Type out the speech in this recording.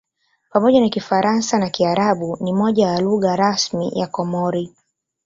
Pamoja na Kifaransa na Kiarabu ni moja ya lugha rasmi ya Komori.